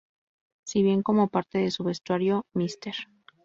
Si bien como parte de su vestuario, Mr.